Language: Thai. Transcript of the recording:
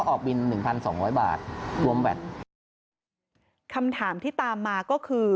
ออกบินหนึ่งพันสองร้อยบาทรวมแวดคำถามที่ตามมาก็คือ